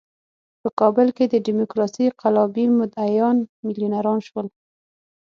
په کابل کې د ډیموکراسۍ قلابي مدعیان میلیونران شول.